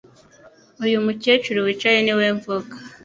Uyu mukecuru wicaye niwe mvuga